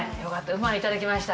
うまいいただきました。